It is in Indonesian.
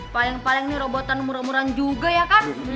paling paling ini robotan murah murah juga ya kan